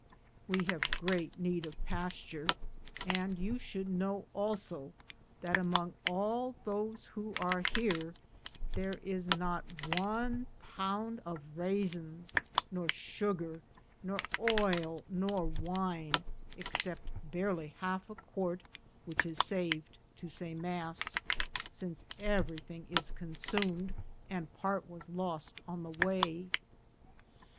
We have great need of pasture, and you should know, also, that among all those who are here there is not one pound of raisins, nor sugar, nor oil, nor wine, except barely half a quart, which is saved to say mass, since everything is consumed, and part was lost on the way.